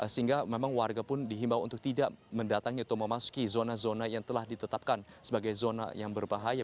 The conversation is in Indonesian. sehingga memang warga pun dihimbau untuk tidak mendatangi atau memasuki zona zona yang telah ditetapkan sebagai zona yang berbahaya